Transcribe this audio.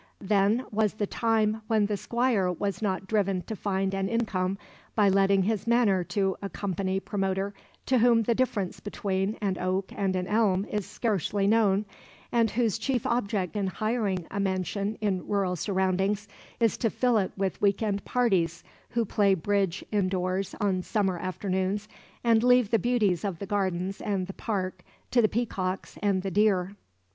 Then was the time when the squire was not driven to find an income by letting his manor to a company promoter to whom the difference between an oak and an elm is scarcely known, and whose chief object in hiring a mansion in rural surroundings is to fill it with week end parties who play bridge indoors on summer afternoons and leave the beauties of the gardens and the park to the peacocks and the deer.